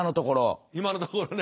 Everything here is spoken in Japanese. いまのところね。